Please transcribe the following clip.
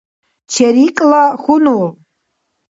ЧерикӀла хьунул